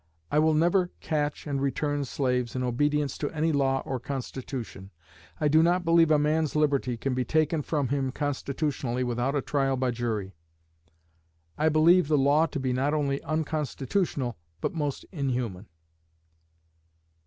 I will never catch and return slaves in obedience to any law or constitution. I do not believe a man's liberty can be taken from him constitutionally without a trial by jury. I believe the law to be not only unconstitutional, but most inhuman.'